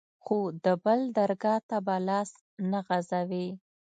خو د بل درګا ته به لاس نه غځوې.